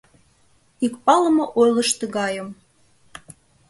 Ик палыме ойлыш тыгайым.